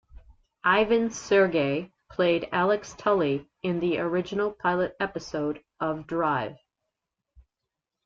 Ivan Sergei played Alex Tully in the original pilot episode of "Drive".